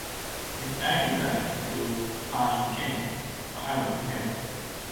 His early work includes "Parthian Kings" for Avalon Hill.